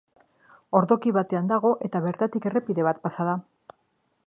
Ordoki batean dago eta bertatik errepide bat pasa da.